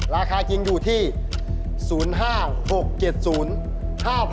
ราคาจริงอยู่ที่๐๕๖๗๐๕๖๗๐บาทครับ